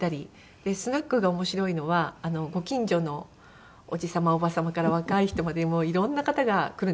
でスナックが面白いのはご近所のおじ様おば様から若い人までもういろんな方が来るんですね。